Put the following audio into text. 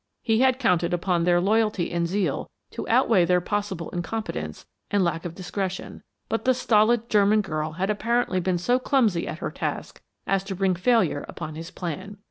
He had counted upon their loyalty and zeal to outweigh their possible incompetence and lack of discretion, but the stolid German girl had apparently been so clumsy at her task as to bring failure upon his plan.